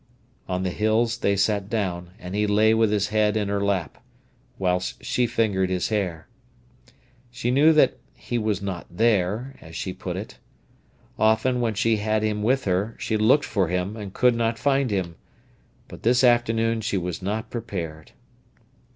On the hills they sat down, and he lay with his head in her lap, whilst she fingered his hair. She knew that "he was not there," as she put it. Often, when she had him with her, she looked for him, and could not find him. But this afternoon she was not prepared.